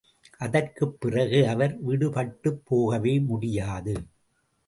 அதற்குப் பிறகு அவர் விடுபட்டுப் போகவே முடியாது.